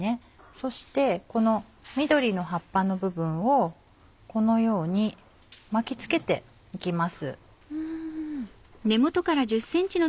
そしてこの緑の葉っぱの部分をこのように巻き付けて行きます。